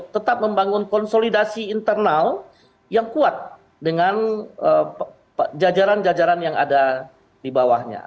tetap membangun konsolidasi internal yang kuat dengan jajaran jajaran yang ada di bawahnya